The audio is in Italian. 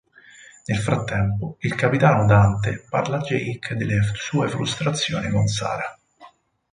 Nel frattempo, il Capitano Dante parla a Jake delle sue frustrazioni con Sara.